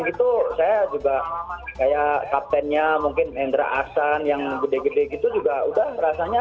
gitu saya juga kayak kaptennya mungkin hendra ahsan yang gede gede gitu juga udah rasanya